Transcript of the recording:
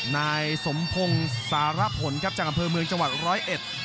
นายสมพงศ์สารพลจากอำเภอเมืองจังหวัด๑๐๑